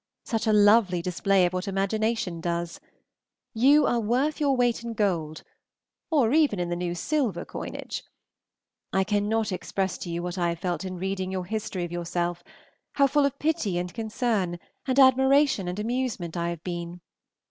such a lovely display of what imagination does! You are worth your weight in gold, or even in the new silver coinage. I cannot express to you what I have felt in reading your history of yourself, how full of pity and concern, and admiration and amusement I have been!